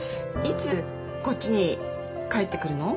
いつこっちに帰ってくるの？